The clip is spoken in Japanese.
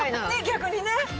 逆にね！